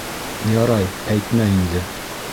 Ярай, әйтмә инде?..